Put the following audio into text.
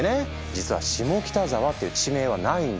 実は「下北沢」っていう地名はないんだ。